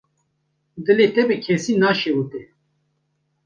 Dilê te bi kesî naşewite.